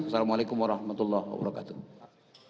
wassalamu'alaikum warahmatullahi wabarakatuh